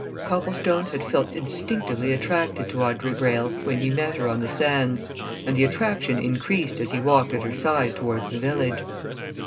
Copplestone had felt instinctively attracted to Audrey Greyle when he met her on the sands, and the attraction increased as he walked at her side towards the village.